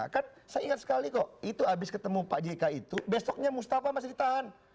kan saya ingat sekali kok itu habis ketemu pak jk itu besoknya mustafa masih ditahan